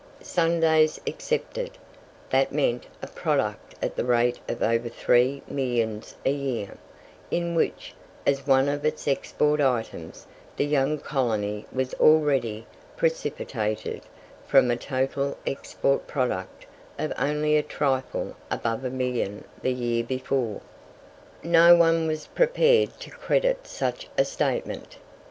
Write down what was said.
Sundays excepted, that meant a product at the rate of over three millions a year, into which, as one of its export items, the young colony was already "precipitated" from a total export product of only a trifle above a million the year before. No one was prepared to credit such a statement.